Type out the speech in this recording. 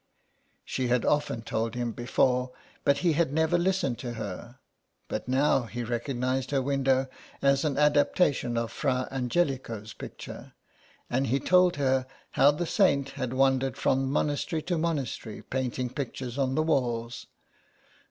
She had often told him before but he had never listened to her But now he recognised her window as an adaptation of Fra Angelico's picture, and he told her how the saint had wandered from monastery to monastery painting pictures on the walls.